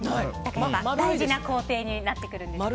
やっぱり大事な工程になってくるんです。